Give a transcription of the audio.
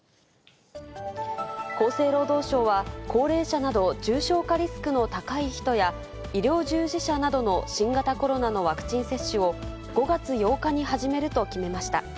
厚生労働省は、高齢者など重症化リスクの高い人や、医療従事者などの新型コロナのワクチン接種を、５月８日に始めると決めました。